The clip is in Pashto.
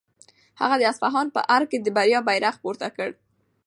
هغه د اصفهان په ارګ کې د بریا بیرغ پورته کړ.